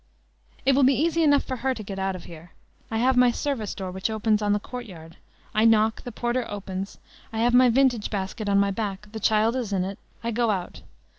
"It will be easy enough for her to get out of here. I have my service door which opens on the courtyard. I knock. The porter opens; I have my vintage basket on my back, the child is in it, I go out.